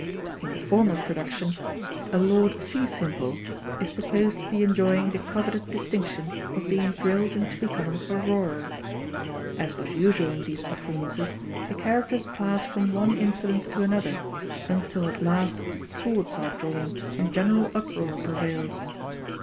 In the former production, a Lord Feesimple is supposed to be enjoying the coveted distinction of being drilled into becoming a roarer. As was usual in these performances, the characters pass from one insolence to another, until at last swords are drawn and general uproar prevails.